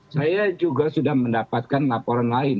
saya juga sudah mendapatkan laporan lain